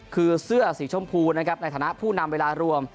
คือเสื้อสีชมพูนะครับในฐานะผู้นำเวลารวม